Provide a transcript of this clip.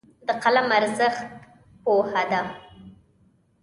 د قلم ارزښت پوهه ده.